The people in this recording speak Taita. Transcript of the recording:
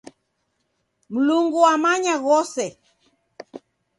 Mlungu wamanya ghose.